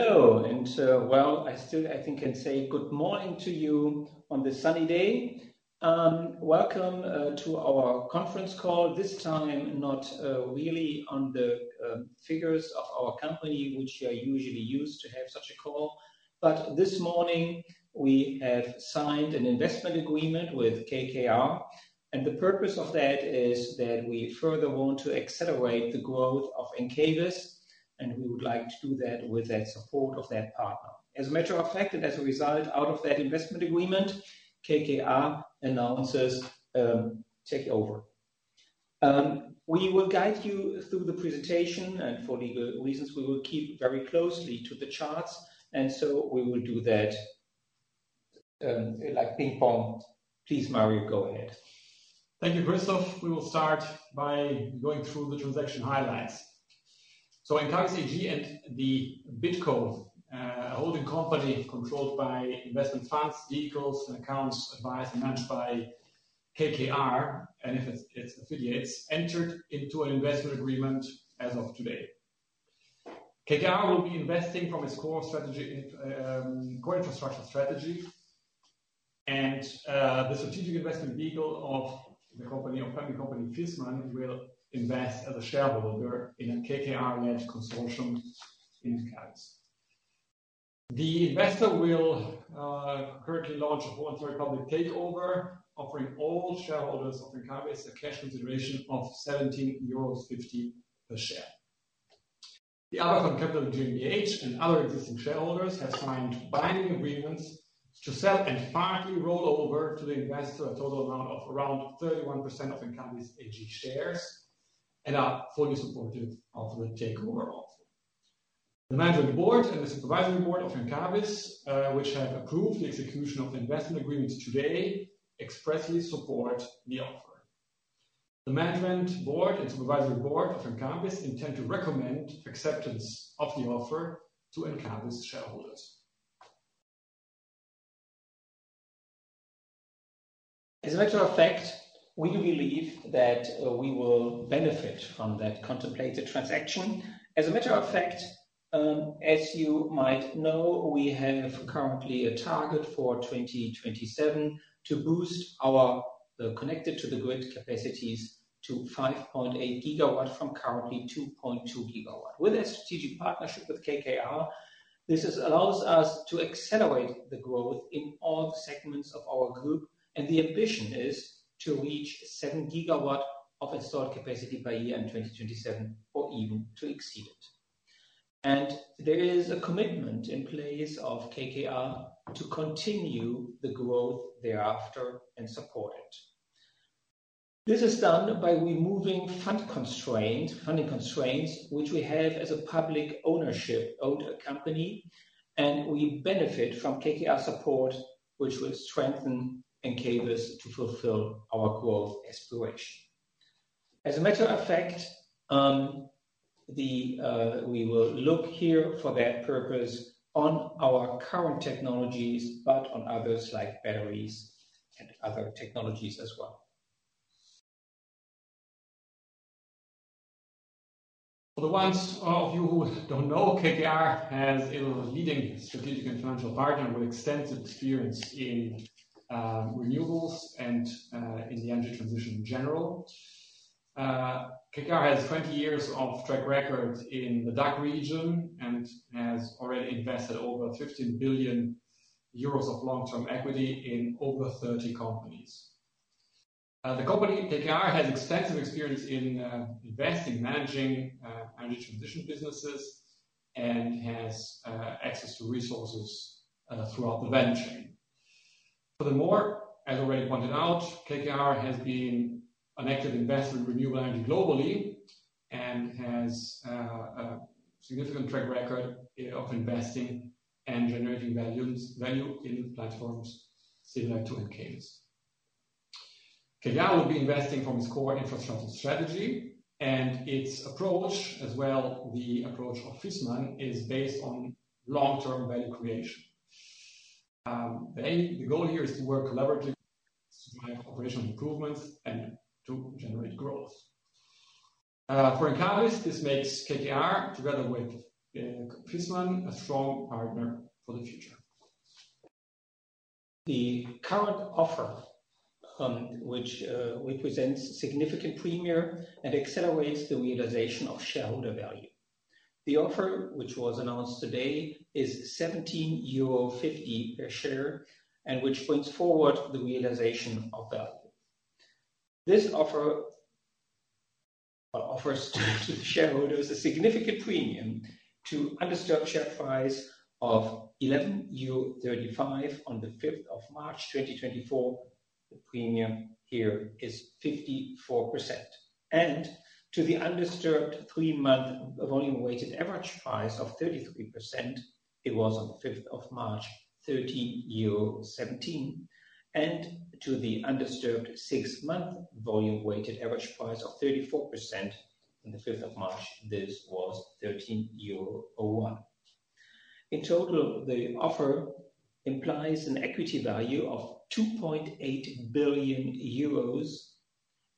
Hello, and, well, I still—I think—can say good morning to you on this sunny day. Welcome to our conference call, this time not really on the figures of our company, which you're usually used to have such a call. But this morning we have signed an investment agreement with KKR, and the purpose of that is that we further want to accelerate the growth of Encavis, and we would like to do that with that support of that partner. As a matter of fact, and as a result out of that investment agreement, KKR announces takeover. We will guide you through the presentation, and for legal reasons we will keep very closely to the charts, and so we will do that, like ping-pong. Please, Mario, go ahead. Thank you, Christoph. We will start by going through the transaction highlights. So Encavis AG and the BidCo, holding company controlled by investment funds, vehicles, and accounts advised and managed by KKR, and its affiliates, entered into an investment agreement as of today. KKR will be investing from its core infrastructure strategy, and the strategic investment vehicle of the family company Viessmann will invest as a shareholder in a KKR-led consortium in Encavis. The investor will currently launch a voluntary public takeover, offering all shareholders of Encavis a cash consideration of 17.50 euros per share. The Abacon Capital GmbH and other existing shareholders have signed binding agreements to sell and partly roll over to the investor a total amount of around 31% of Encavis AG shares and are fully supportive of the takeover offer. The management board and the supervisory board of Encavis, which have approved the execution of the investment agreement today, expressly support the offer. The management board and supervisory board of Encavis intend to recommend acceptance of the offer to Encavis shareholders. As a matter of fact, we believe that we will benefit from that contemplated transaction. As a matter of fact, as you might know, we have currently a target for 2027 to boost our connected-to-the-grid capacities to 5.8 GW from currently 2.2 GW. With a strategic partnership with KKR, this allows us to accelerate the growth in all the segments of our group, and the ambition is to reach 7 GW of installed capacity by year 2027 or even to exceed it. There is a commitment in place of KKR to continue the growth thereafter and support it. This is done by removing fund constraints, funding constraints, which we have as a public ownership owned company, and we benefit from KKR support, which will strengthen Encavis to fulfill our growth aspiration. As a matter of fact, we will look here for that purpose on our current technologies, but on others like batteries and other technologies as well. For the ones of you who don't know, KKR has a leading strategic and financial partner with extensive experience in renewables and in the energy transition in general. KKR has 20 years of track record in the DACH region and has already invested over 15 billion euros of long-term equity in over 30 companies. The company KKR has extensive experience in investing, managing, energy transition businesses, and has access to resources throughout the value chain. Furthermore, as already pointed out, KKR has been an active investor in renewable energy globally and has significant track record of investing and generating value in platforms similar to Encavis. KKR will be investing from its core infrastructure strategy, and its approach as well, the approach of Viessmann, is based on long-term value creation. The aim, the goal here, is to work collaboratively to drive operational improvements and to generate growth. For Encavis, this makes KKR, together with Viessmann, a strong partner for the future. The current offer, which represents significant premium and accelerates the realization of shareholder value. The offer, which was announced today, is 17.50 euro per share and which brings forward the realization of value. This offer offers to the shareholders a significant premium to undisturbed share price of 11.35 euro on the 5th of March 2024. The premium here is 54%. To the undisturbed three-month volume-weighted average price of 33% (it was on the 5th of March) 13.17. To the undisturbed six-month volume-weighted average price of 34% on the 5th of March (this was 13.01 euro). In total, the offer implies an equity value of 2.8 billion euros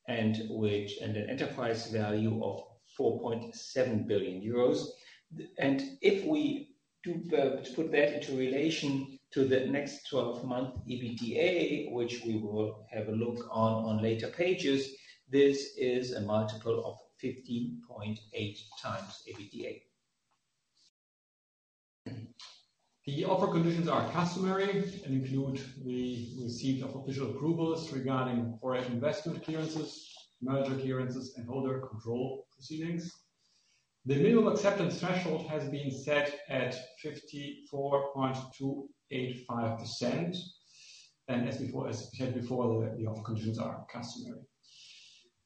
and an enterprise value of 4.7 billion euros. If we do put that into relation to the next 12-month EBITDA, which we will have a look on later pages, this is a multiple of 15.8x EBITDA. The offer conditions are customary and include the receipt of official approvals regarding foreign investment clearances, merger clearances, and holder control proceedings. The minimum acceptance threshold has been set at 54.285%, and as before, as said before, the offer conditions are customary.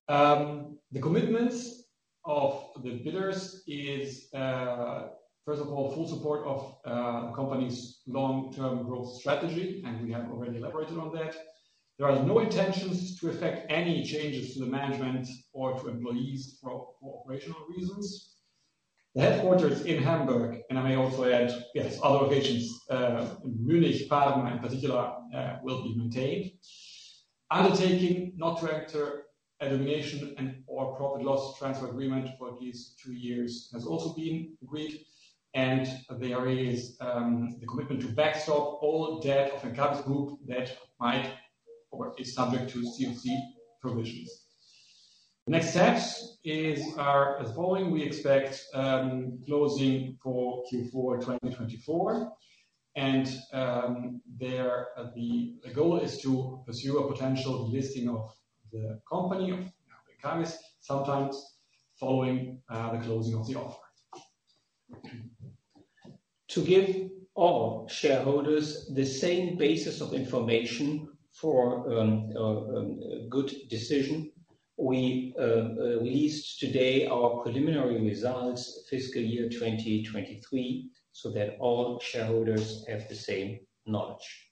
The commitments of the bidders is, first of all, full support of, the company's long-term growth strategy, and we have already elaborated on that. There are no intentions to affect any changes to the management or to employees for operational reasons. The headquarters in Hamburg, and I may also add, yes, other locations, in Munich, Parma in particular, will be maintained. Undertaking not to enter a termination and/or profit loss transfer agreement for at least two years has also been agreed, and there is, the commitment to backstop all debt of Encavis Group that might or is subject to CFC provisions. The next steps are as following: we expect closing for Q4 2024, and the goal is to pursue a potential listing of the company of Encavis sometime following the closing of the offer. To give all shareholders the same basis of information for a good decision, we released today our preliminary results fiscal year 2023 so that all shareholders have the same knowledge.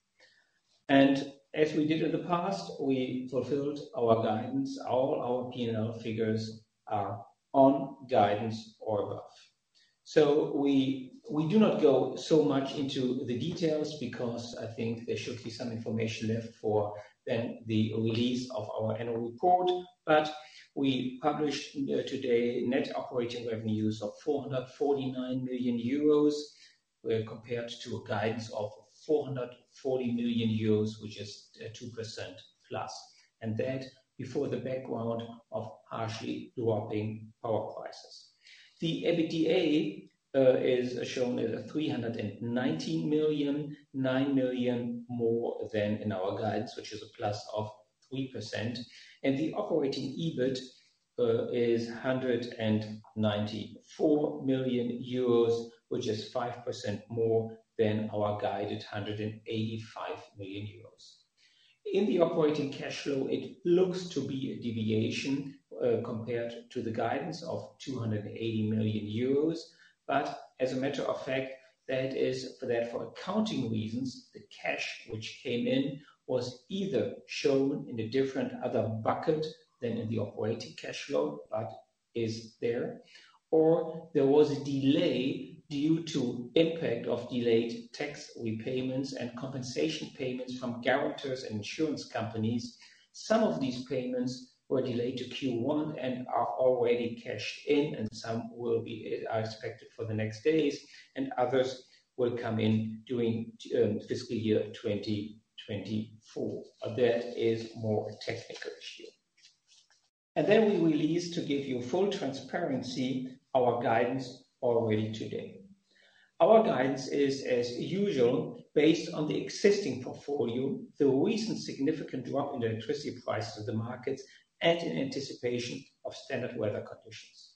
As we did in the past, we fulfilled our guidance, all our P&L figures are on guidance or above. We—we do not go so much into the details because I think there should be some information left for then the release of our annual report, but we published today net operating revenues of 449 million euros compared to a guidance of 440 million euros, which is 2%+, and that before the background of harshly dropping power prices. The EBITDA is shown as 319 million, 9 million more than in our guidance, which is +3%, and the operating EBIT is 194 million euros, which is 5% more than our guided 185 million euros. In the operating cash flow, it looks to be a deviation, compared to the guidance of 280 million euros, but as a matter of fact, that is—for that—for accounting reasons, the cash which came in was either shown in a different other bucket than in the operating cash flow, but is there, or there was a delay due to impact of delayed tax repayments and compensation payments from guarantors and insurance companies. Some of these payments were delayed to Q1 and are already cashed in, and some will be—are expected for the next days, and others will come in during fiscal year 2024. That is more a technical issue. And then we released to give you full transparency our guidance already today. Our guidance is, as usual, based on the existing portfolio, the recent significant drop in electricity prices in the markets, and in anticipation of standard weather conditions.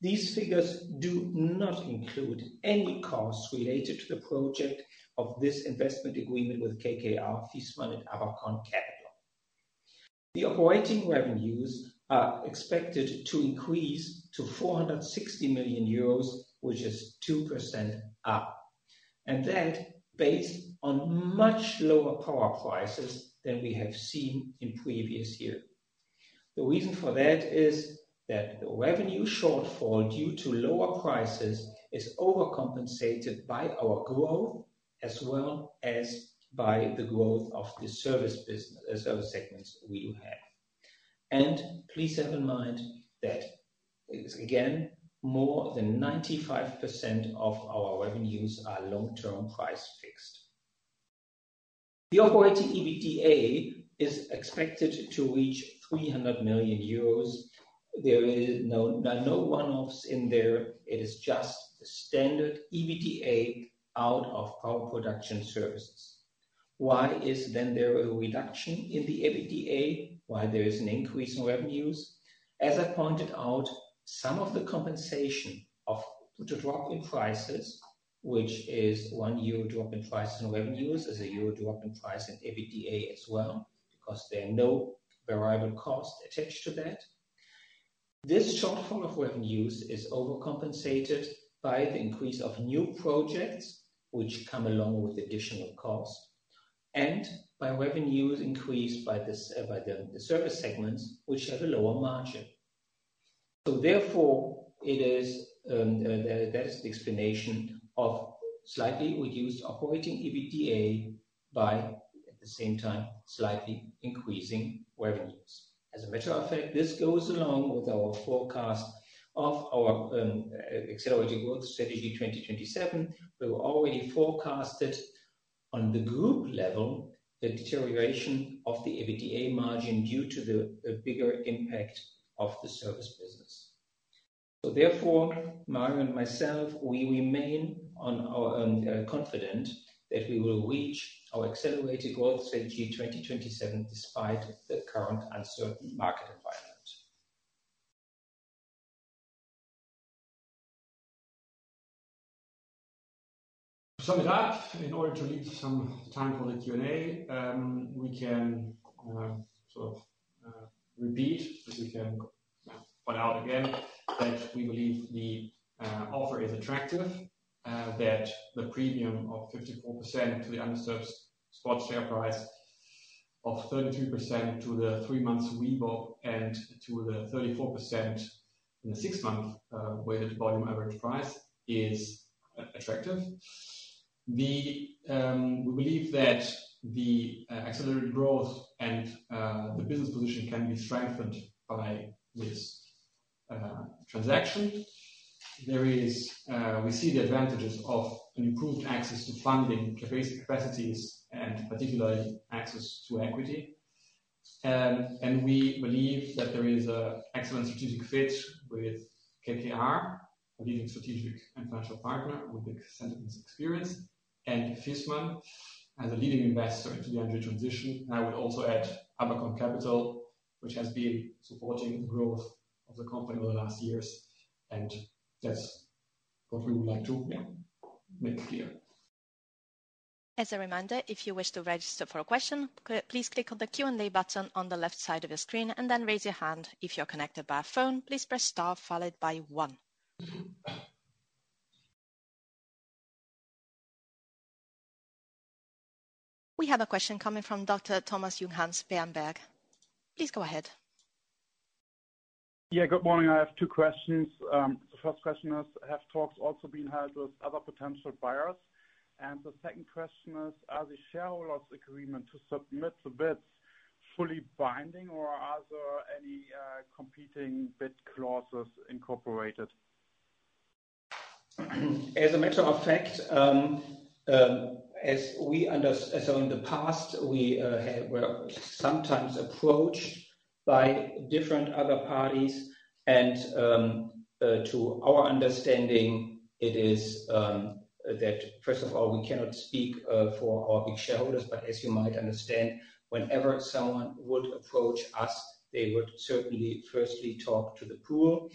These figures do not include any costs related to the project of this investment agreement with KKR, Viessmann, and Abacon Capital. The operating revenues are expected to increase to 460 million euros, which is 2% up, and that based on much lower power prices than we have seen in previous years. The reason for that is that the revenue shortfall due to lower prices is overcompensated by our growth as well as by the growth of the service business, the service segments we have. Please have in mind that, again, more than 95% of our revenues are long-term price fixed. The operating EBITDA is expected to reach 300 million euros. There is no, there are no one-offs in there; it is just the standard EBITDA out of power production services. Why is then there a reduction in the EBITDA? Why there is an increase in revenues? As I pointed out, some of the compensation of the drop in prices, which is a 1 euro drop in prices in revenues, is a EUR 1 drop in price in EBITDA as well because there are no variable costs attached to that. This shortfall of revenues is overcompensated by the increase of new projects, which come along with additional costs, and by revenues increased by the service segments, which have a lower margin. So therefore, it is, that is the explanation of slightly reduced operating EBITDA by, at the same time, slightly increasing revenues. As a matter of fact, this goes along with our forecast of our accelerated growth strategy 2027. We were already forecasted on the group level the deterioration of the EBITDA margin due to the bigger impact of the service business. So therefore, Mario and myself, we remain confident that we will reach our Accelerated Growth Strategy 2027 despite the current uncertain market environment. To sum it up, in order to leave some time for the Q&A, we can sort of yeah point out again that we believe the offer is attractive, that the premium of 54% to the undisturbed spot share price of 33% to the three-month VWAP and to the 34% in the six-month weighted volume average price is attractive. We believe that the accelerated growth and the business position can be strengthened by this transaction. We see the advantages of an improved access to funding capacities and particularly access to equity. We believe that there is an excellent strategic fit with KKR, a leading strategic and financial partner with extensive experience, and Viessmann as a leading investor into the energy transition. I would also add Abacon Capital, which has been supporting the growth of the company over the last years, and that's what we would like to, yeah, make clear. As a reminder, if you wish to register for a question, please click on the Q&A button on the left side of your screen, and then raise your hand if you're connected by a phone. Please press star followed by one. We have a question coming from Dr. Thomas Junghanns Berenberg. Please go ahead. Yeah, good morning. I have two questions. The first question is, have talks also been held with other potential buyers? And the second question is, are the shareholders' agreement to submit the bids fully binding, or are there any, competing bid clauses incorporated? As a matter of fact, as we understand, so in the past, we were sometimes approached by different other parties, and, to our understanding, it is that first of all, we cannot speak for our big shareholders. But as you might understand, whenever someone would approach us, they would certainly firstly talk to the pool.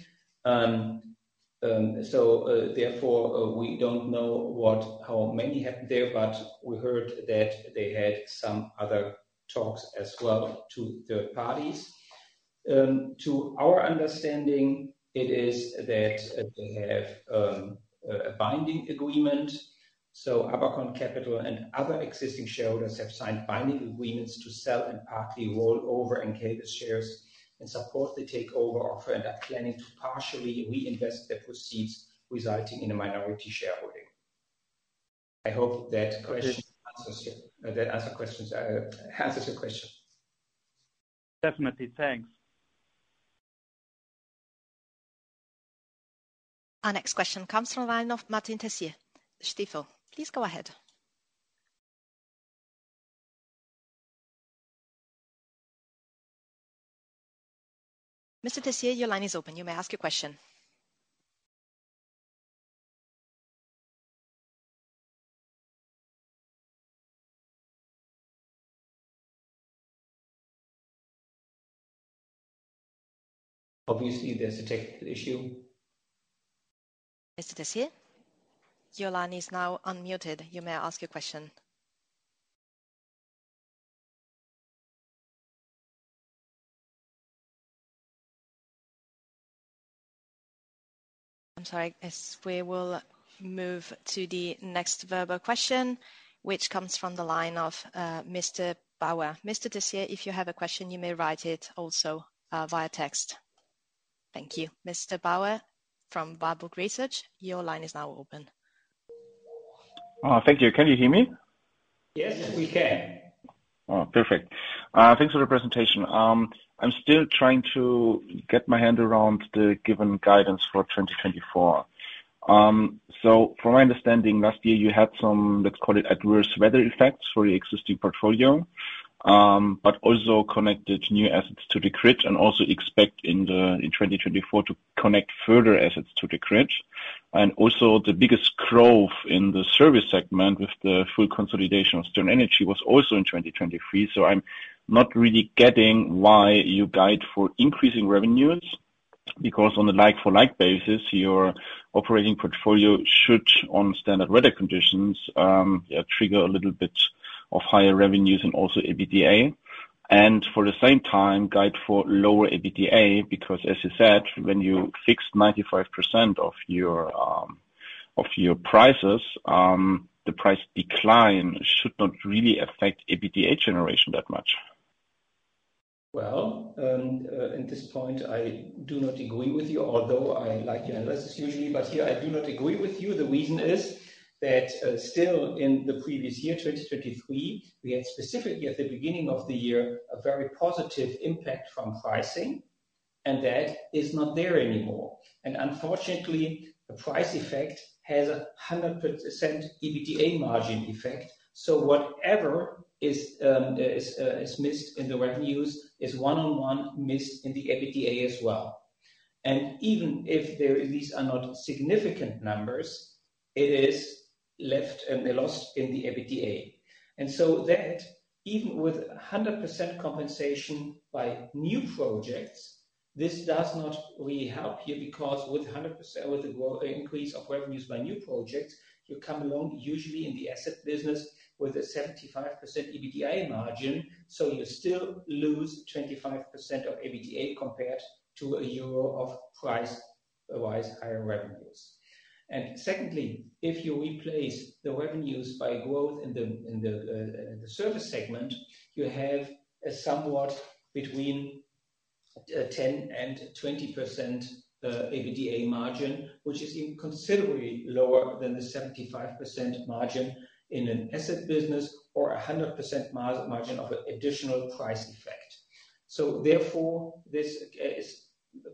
So, therefore, we don't know how many happened there, but we heard that they had some other talks as well to third parties. To our understanding, it is that they have a binding agreement. So ABACON Capital and other existing shareholders have signed binding agreements to sell and partly roll over Encavis shares and support the takeover offer and are planning to partially reinvest their proceeds, resulting in a minority shareholding. I hope that answers your question. Definitely. Thanks. Our next question comes from a line of Martin Tessier. Stifel, please go ahead. Mr. Tessier, your line is open. You may ask your question. Obviously, there's a tech issue. Mr. Tessier, your line is now unmuted. You may ask your question. I'm sorry. As we will move to the next verbal question, which comes from the line of Mr. Bauer. Mr. Tessier, if you have a question, you may write it also via text. Thank you. Mr. Bauer from Warburg Research, your line is now open. Oh, thank you. Can you hear me? Yes, we can. Oh, perfect. Thanks for the presentation. I'm still trying to get my hand around the given guidance for 2024. So from my understanding, last year, you had some, let's call it, adverse weather effects for your existing portfolio, but also connected new assets to the grid and also expect in the, in 2024, to connect further assets to the grid. And also, the biggest growth in the service segment with the full consolidation of Stern Energy was also in 2023. So I'm not really getting why you guide for increasing revenues because on a like-for-like basis, your operating portfolio should, on standard weather conditions, yeah, trigger a little bit of higher revenues and also EBITDA. And for the same time, guide for lower EBITDA because, as you said, when you fixed 95% of your, of your prices, the price decline should not really affect EBITDA generation that much. Well, at this point, I do not agree with you, although I like your analysis usually. But here, I do not agree with you. The reason is that, still in the previous year, 2023, we had specifically at the beginning of the year a very positive impact from pricing, and that is not there anymore. And unfortunately, the price effect has a 100% EBITDA margin effect. So whatever is missed in the revenues is one-on-one missed in the EBITDA as well. And even if there—these are not significant numbers—it is left and they're lost in the EBITDA. And so that even with 100% compensation by new projects, this does not really help here because with 100% the growth increase of revenues by new projects, you come along usually in the asset business with a 75% EBITDA margin. So you still lose 25% of EBITDA compared to a euro of price-wise higher revenues. And secondly, if you replace the revenues by growth in the service segment, you have a somewhat between 10% and 20% EBITDA margin, which is considerably lower than the 75% margin in an asset business or 100% margin of an additional price effect. So therefore, this is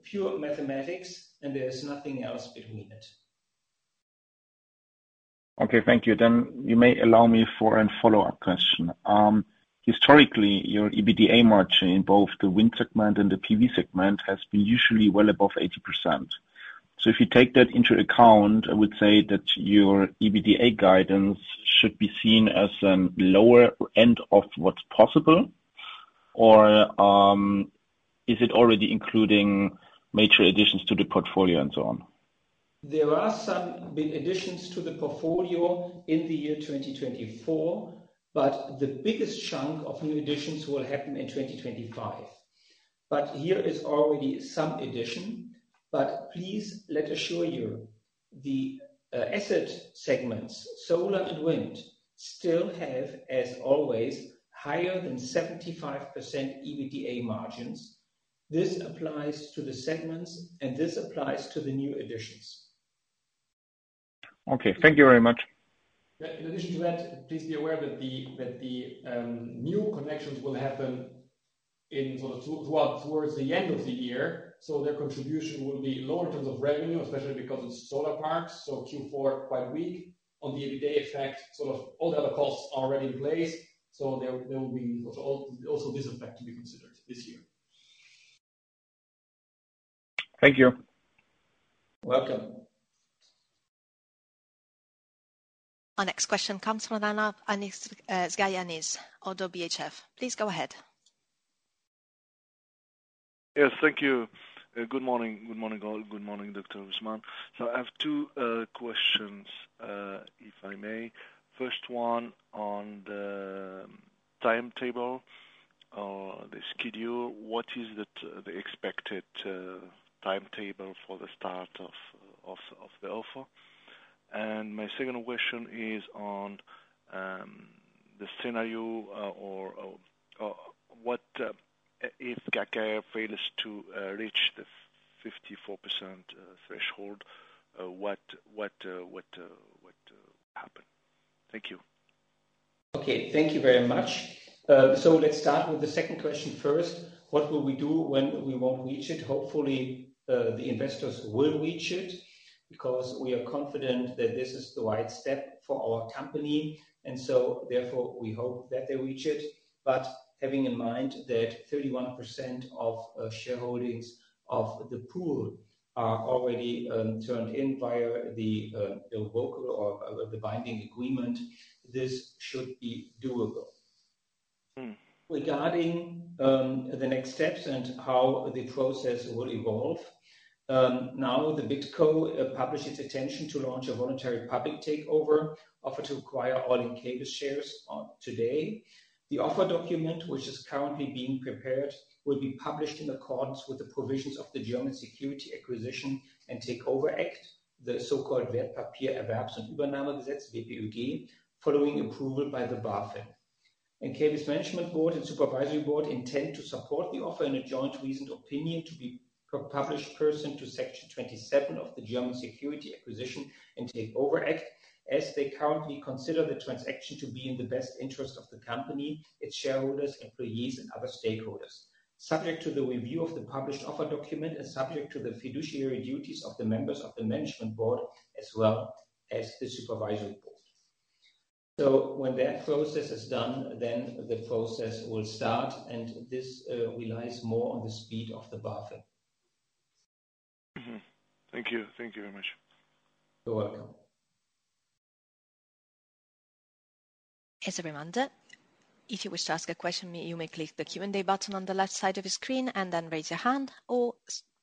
pure mathematics, and there is nothing else between it. Okay. Thank you. Then you may allow me for a follow-up question. Historically, your EBITDA margin in both the wind segment and the PV segment has been usually well above 80%. So if you take that into account, I would say that your EBITDA guidance should be seen as a lower end of what's possible, or, is it already including major additions to the portfolio and so on? There are some big additions to the portfolio in the year 2024, but the biggest chunk of new additions will happen in 2025. But here is already some addition. But please let assure you, the asset segments, solar and wind, still have, as always, higher than 75% EBITDA margins. This applies to the segments, and this applies to the new additions. Okay. Thank you very much. Yeah. In addition to that, please be aware that the new connections will happen sort of throughout towards the end of the year. So their contribution will be lower in terms of revenue, especially because it's solar parks. So Q4 quite weak on the EBITDA effect. Sort of all the other costs are already in place. So there will be sort of all also this effect to be considered this year. Thank you. Welcome. Our next question comes from a line of Anis Zgaya, ODDO BHF. Please go ahead. Yes. Thank you. Good morning. Good morning, all. Good morning, Dr. Husmann. So I have two questions, if I may. First one on the timetable or the schedule. What is the expected timetable for the start of the offer? And my second question is on the scenario, or what if KKR fails to reach the 54% threshold, what happens? Thank you. Okay. Thank you very much. So let's start with the second question first. What will we do when we won't reach it? Hopefully, the investors will reach it because we are confident that this is the right step for our company. And so therefore, we hope that they reach it. But having in mind that 31% of shareholdings of the pool are already turned in via the lock-up or the binding agreement, this should be doable. Regarding the next steps and how the process will evolve, now the BidCo published its intention to launch a voluntary public takeover offer to acquire all Encavis shares today. The offer document, which is currently being prepared, will be published in accordance with the provisions of the German Securities Acquisition and Takeover Act, the so-called Wertpapiererwerbs- und Übernahmegesetz, WpÜG, following approval by the BaFin. Encavis Management Board and Supervisory Board intend to support the offer in a joint reasoned opinion to be published pursuant to Section 27 of the German Securities Acquisition and Takeover Act as they currently consider the transaction to be in the best interest of the company, its shareholders, employees, and other stakeholders, subject to the review of the published offer document and subject to the fiduciary duties of the members of the Management Board as well as the Supervisory Board. So when that process is done, then the process will start. And this relies more on the speed of the BaFin. Mm-hmm. Thank you. Thank you very much. You're welcome. As a reminder, if you wish to ask a question, you may click the Q&A button on the left side of your screen and then raise your hand or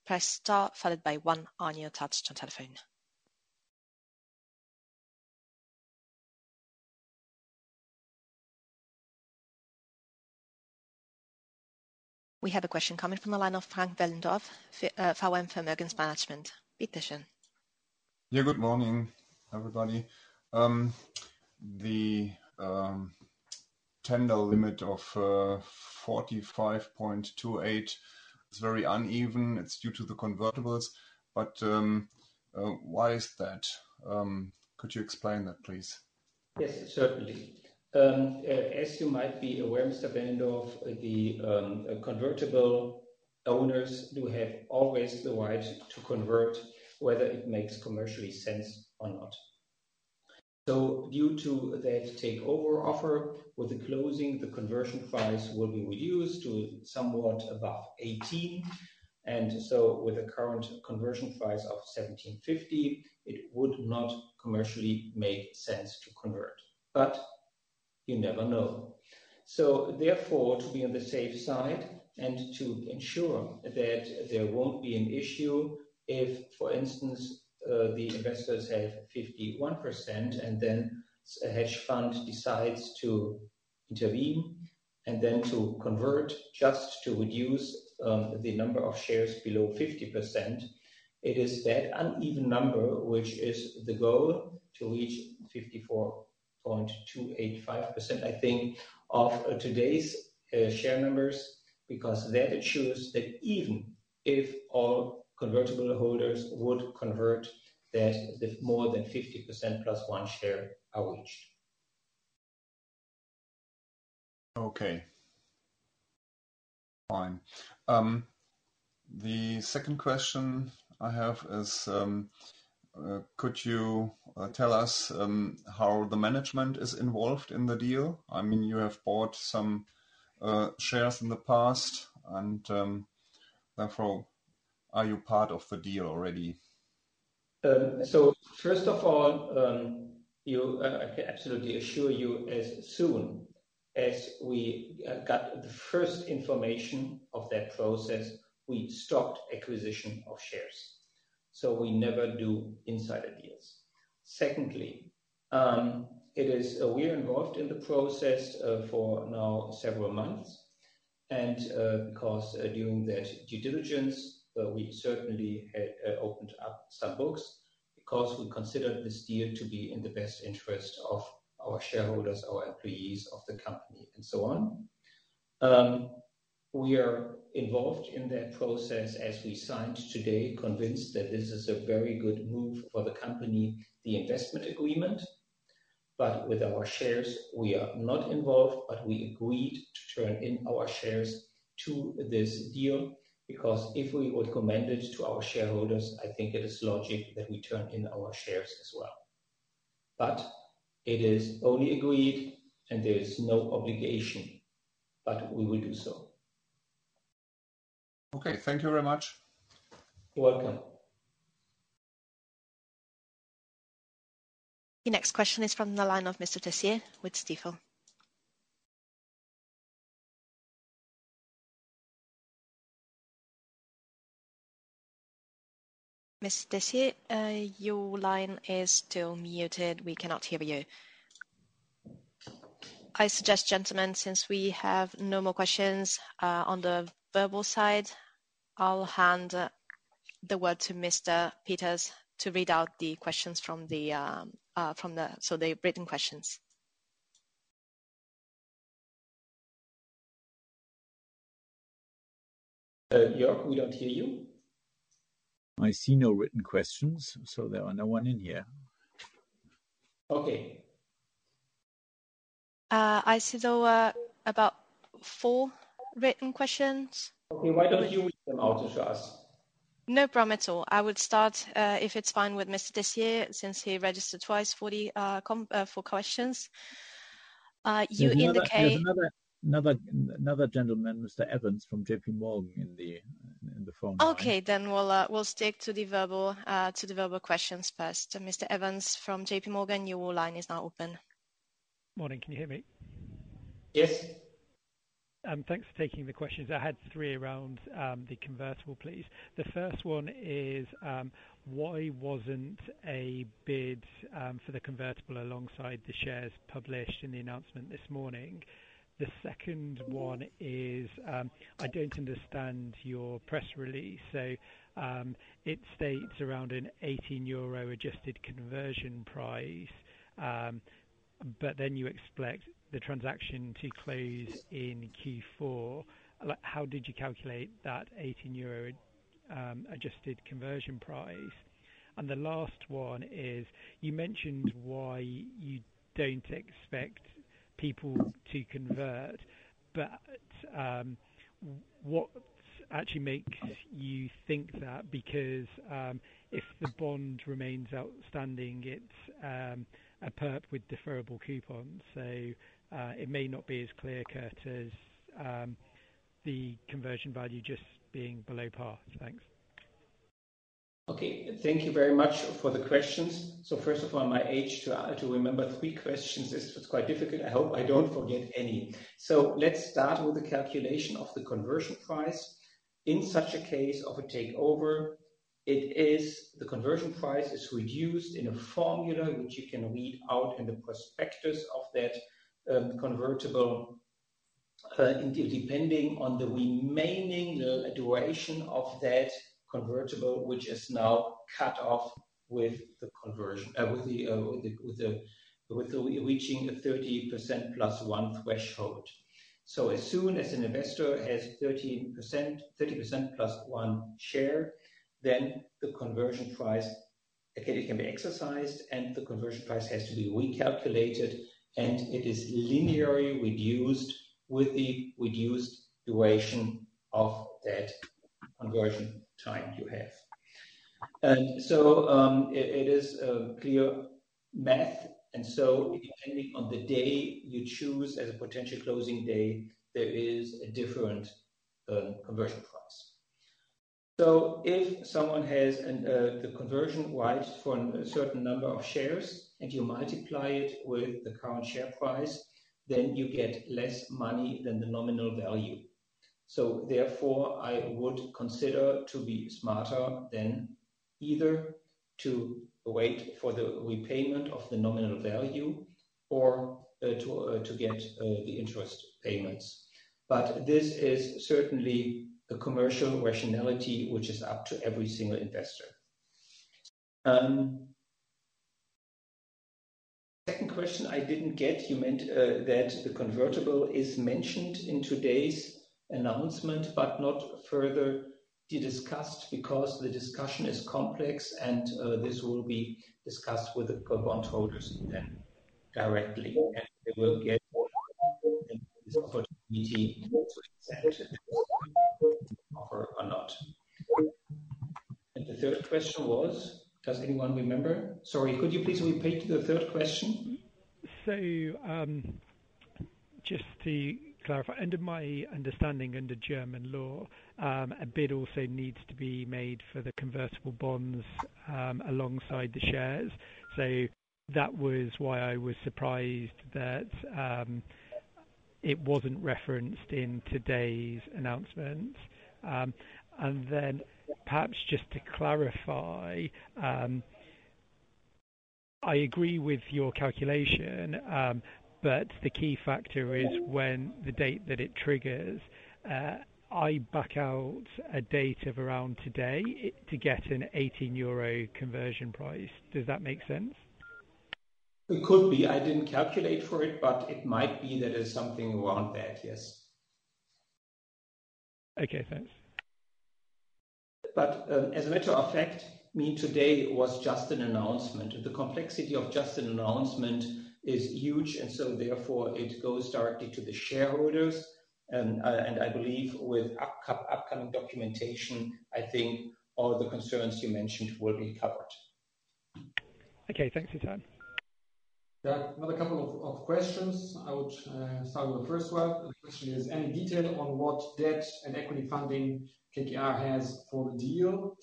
press star followed by one on your touchtone telephone. We have a question coming from the line of Frank Wellendorf, VM Vermögens-Management. Yeah. Good morning, everybody. The tender limit of 45.28 is very uneven. It's due to the convertibles. But why is that? Could you explain that, please? Yes, certainly. As you might be aware, Mr. Wellendorf, the convertible owners do have always the right to convert, whether it makes commercially sense or not. So due to that takeover offer, with the closing, the conversion price will be reduced to somewhat above 18. And so with the current conversion price of 17.50, it would not commercially make sense to convert. But you never know. So therefore, to be on the safe side and to ensure that there won't be an issue if, for instance, the investors have 51% and then a hedge fund decides to intervene and then to convert just to reduce the number of shares below 50%, it is that uneven number, which is the goal, to reach 54.285%, I think, of today's share numbers because that assures that even if all convertible holders would convert, that the more than 50% plus one share are reached. Okay. Fine. The second question I have is, could you tell us how the management is involved in the deal? I mean, you have bought some shares in the past. And therefore, are you part of the deal already? So first of all, I can absolutely assure you, as soon as we got the first information of that process, we stopped acquisition of shares. So we never do insider deals. Secondly, we are involved in the process for now several months. And because during that due diligence, we certainly had opened up some books because we considered this deal to be in the best interest of our shareholders, our employees of the company, and so on. We are involved in that process as we signed today the investment agreement, convinced that this is a very good move for the company. But with our shares, we are not involved, but we agreed to turn in our shares to this deal because if we recommended to our shareholders, I think it is logic that we turn in our shares as well. It is only agreed, and there is no obligation, but we will do so. Okay. Thank you very much. You're welcome. The next question is from the line of Mr. Tessier with Stifel. Mr. Tessier, your line is still muted. We cannot hear you. I suggest, gentlemen, since we have no more questions on the verbal side, I'll hand the word to Mr. Peters to read out the questions from the written questions. Jörg, we don't hear you. I see no written questions. There is no one in here. Okay. I see, though, about four written questions. Okay. Why don't you read them out to us? No problem at all. I would start, if it's fine with Mr. Tessier, since he registered twice for the call for questions. You indicated. There's another gentleman, Mr. Evans, from JPMorgan in the phone. Okay. Then we'll stick to the verbal questions first. Mr. Evans from JPMorgan, your line is now open. Morning. Can you hear me? Yes. Thanks for taking the questions. I had three around the convertible, please. The first one is, why wasn't a bid for the convertible alongside the shares published in the announcement this morning? The second one is, I don't understand your press release. So, it states around an 18 euro adjusted conversion price, but then you expect the transaction to close in Q4. Like, how did you calculate that 18 euro adjusted conversion price? And the last one is you mentioned why you don't expect people to convert. But, what actually makes you think that? Because, if the bond remains outstanding, it's a PERP with deferrable coupons. So, it may not be as clear-cut as the conversion value just being below par. Thanks. Okay. Thank you very much for the questions. So first of all, it's hard to remember three questions; it's quite difficult. I hope I don't forget any. So let's start with the calculation of the conversion price. In such a case of a takeover, the conversion price is reduced in a formula which you can read out in the prospectus of that convertible, indeed depending on the remaining little duration of that convertible, which is now cut off with the conversion with the reaching a 30% +1 threshold. So as soon as an investor has 30% +1 share, then the conversion price again, it can be exercised, and the conversion price has to be recalculated. And it is linearly reduced with the reduced duration of that conversion time you have. It is a clear math. Depending on the day you choose as a potential closing day, there is a different conversion price. So if someone has the conversion right for a certain number of shares, and you multiply it with the current share price, then you get less money than the nominal value. So therefore, I would consider to be smarter than either to wait for the repayment of the nominal value or to get the interest payments. But this is certainly a commercial rationality which is up to every single investor. Second question, I didn't get. You meant that the convertible is mentioned in today's announcement but not further to discuss because the discussion is complex. This will be discussed with the convertible bondholders then directly. They will get this opportunity to accept the offer or not. The third question was, does anyone remember? Sorry. Could you please repeat the third question? So, just to clarify. In my understanding under German law, a bid also needs to be made for the convertible bonds, alongside the shares. So that was why I was surprised that it wasn't referenced in today's announcement. Then, perhaps just to clarify, I agree with your calculation, but the key factor is when the date that it triggers. I back out a date of around today to get an 18 euro conversion price. Does that make sense? It could be. I didn't calculate for it, but it might be that there's something around that. Yes. Okay. Thanks. As a matter of fact, I mean, today was just an announcement. The complexity of just an announcement is huge. And I believe with upcoming documentation, I think all the concerns you mentioned will be covered. Okay. Thanks [for the time]. Yeah. Another couple of questions. I would start with the first one. The question is, any detail on what debt and equity funding KKR has for the deal?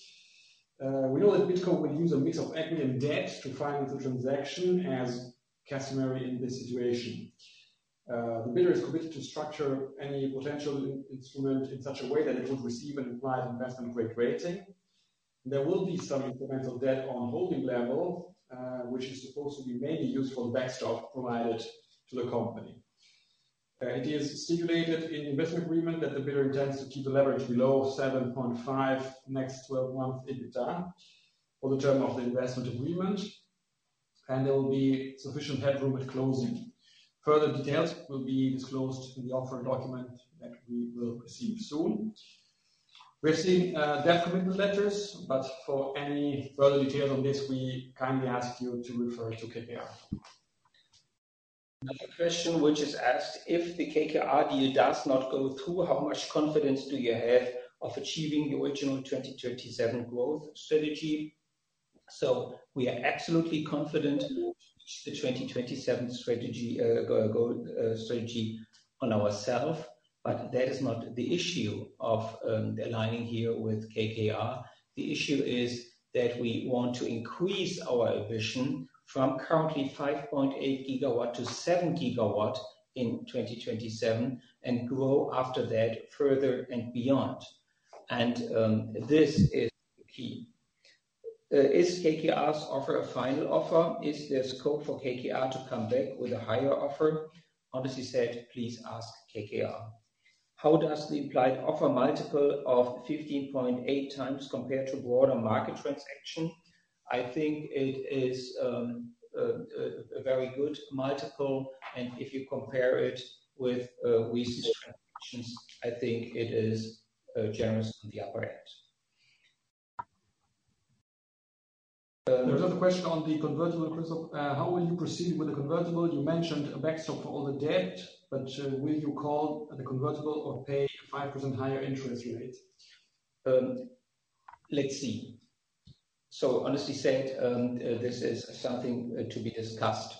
We know that BidCo will use a mix of equity and debt to finance the transaction as customary in this situation. The bidder is committed to structure any potential indebtedness in such a way that it would receive an implied Investment Grade Rating. There will be some incremental debt on holding level, which is supposed to be mainly used for the backstop provided to the company. It is stipulated in the investment agreement that the bidder intends to keep the leverage below 7.5 next 12 months EBITDA for the term of the investment agreement. There will be sufficient headroom at closing. Further details will be disclosed in the offer document that we will receive soon. We have seen debt commitment letters. But for any further details on this, we kindly ask you to refer to KKR. Another question which is asked, if the KKR deal does not go through, how much confidence do you have of achieving the original 2027 growth strategy? So we are absolutely confident to reach the 2027 strategy goal, strategy on ourselves. But that is not the issue of the aligning here with KKR. The issue is that we want to increase our ambition from currently 5.8 gigawatts to 7 gigawatts in 2027 and grow after that further and beyond. This is key. Is KKR's offer a final offer? Is there scope for KKR to come back with a higher offer? Honestly said, please ask KKR. How does the implied offer multiple of 15.8x compare to broader market transaction? I think it is a very good multiple. And if you compare it with recent transactions, I think it is generous on the upper end. There's another question on the convertible, Christoph. How will you proceed with the convertible? You mentioned a backstop for all the debt. But, will you call the convertible or pay a 5% higher interest rate? Let's see. So honestly said, this is something to be discussed.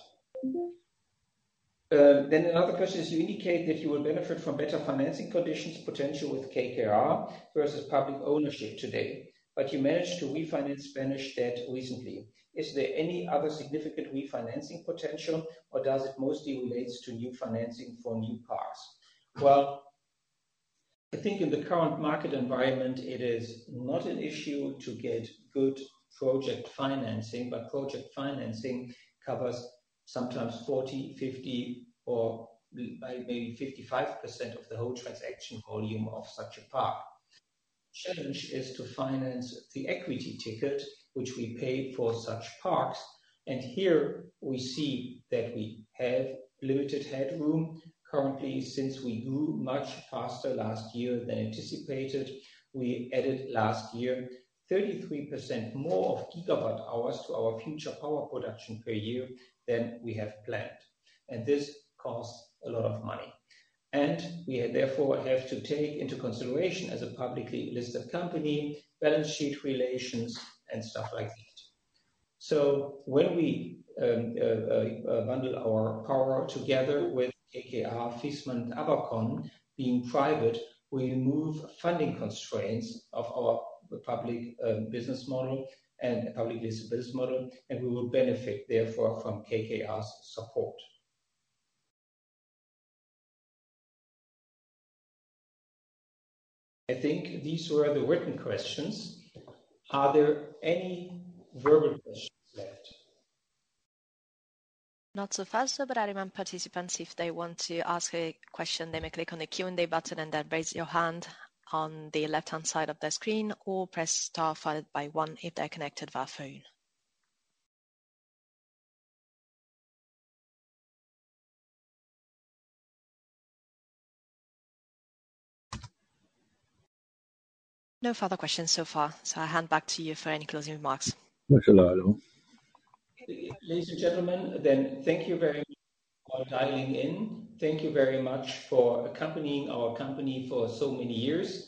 Then another question is, you indicate that you will benefit from better financing conditions potential with KKR versus public ownership today. But you managed to refinance Spanish debt recently. Is there any other significant refinancing potential, or does it mostly relate to new financing for new parks? Well, I think in the current market environment, it is not an issue to get good project financing. But project financing covers sometimes 40%, 50%, or maybe 55% of the whole transaction volume of such a park. Challenge is to finance the equity ticket which we pay for such parks. And here we see that we have limited headroom. Currently, since we grew much faster last year than anticipated, we added last year 33% more of gigawatt hours to our future power production per year than we have planned. This costs a lot of money. We therefore have to take into consideration as a publicly listed company balance sheet relations and stuff like that. When we bundle our power together with KKR Viessmann ABACON being private, we remove funding constraints of our public business model and publicly listed business model. We will benefit therefore from KKR's support. I think these were the written questions. Are there any verbal questions left? Not so far. So I would remind participants, if they want to ask a question, they may click on the Q&A button, and then raise your hand on the left-hand side of the screen or press star followed by one if they're connected via phone. No further questions so far. So I hand back to you for any closing remarks. [Thank you a lot, Elon]. Ladies and gentlemen, thank you very much for dialing in. Thank you very much for accompanying our company for so many years.